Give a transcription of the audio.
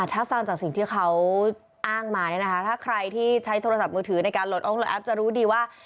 ถ้าฟังจากสิ่งที่เขาอ้างมาเนี่ยนะคะถ้าใครที่ใช้โทรศัพท์มือถือในการโหลดลงแอปจะรู้ดีว่า